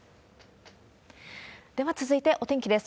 では続いてお天気です。